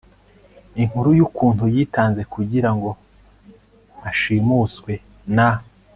inkuru yukuntu yitanze kugirango ashimuswe na